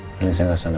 feeling saya gak kesana